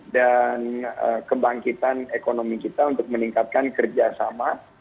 dan kebangkitan ekonomi kita untuk meningkatkan kerjasama